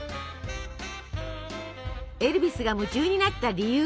エルヴィスが夢中になった理由